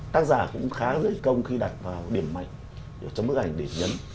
tác giả cũng khá dễ công khi đặt vào điểm mạnh trong bức ảnh để nhấn